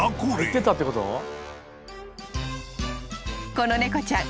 ［この猫ちゃん